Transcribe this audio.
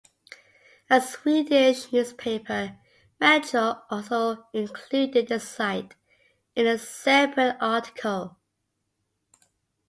A Swedish newspaper, "metro", also included the site in a separate article.